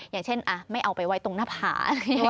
อย่างเช่นไม่เอาไปไว้ตรงหน้าผาก